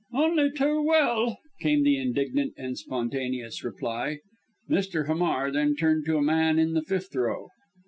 "Only too well!" came the indignant and spontaneous reply. Mr. Hamar then turned to a man in the fifth row.